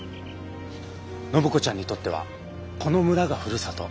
暢子ちゃんにとってはこの村がふるさと。